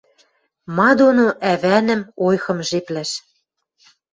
Ма доно ӓвӓнӹм ойхым жеплӓш?